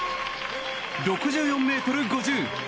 ６４ｍ５０。